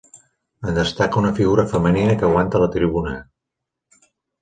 En destaca una figura femenina que aguanta la tribuna.